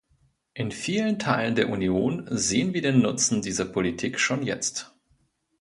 In vielen Teilen der Union sehen wir den Nutzen dieser Politik schon jetzt.